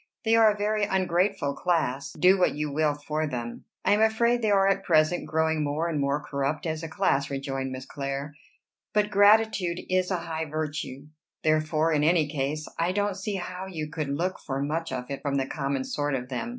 "They are a very ungrateful class, do what you will for them." "I am afraid they are at present growing more and more corrupt as a class," rejoined Miss Clare; "but gratitude is a high virtue, therefore in any case I don't see how you could look for much of it from the common sort of them.